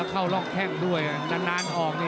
มันต้องอย่างงี้มันต้องอย่างงี้